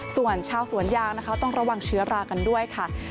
ส่วนชาวสวนยางนะคะต้องระวังเชื้อรากันด้วยค่ะ